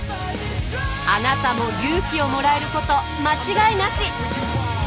あなたも勇気をもらえること間違いなし！